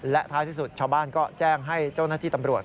และท้ายที่สุดชาวบ้านก็แจ้งให้เจ้าหน้าที่ตำรวจ